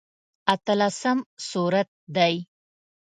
اتلسم سورت دی.